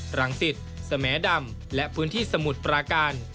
หลังสิทธิ์สแมดำและพื้นที่สมุทรประการ